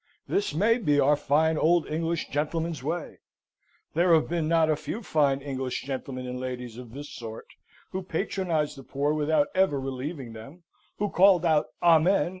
This may be our fine old English gentleman's way. There have been not a few fine English gentlemen and ladies of this sort; who patronised the poor without ever relieving them, who called out "Amen!"